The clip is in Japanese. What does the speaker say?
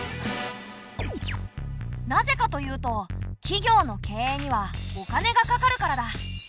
なぜかというと企業の経営にはお金がかかるからだ。